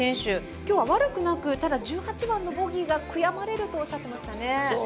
今日は悪くなくただ１８番のボギーが悔やまれるとおっしゃっていましたね。